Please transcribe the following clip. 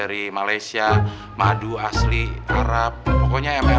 rom yang dikumpulkan ke rumah yang lain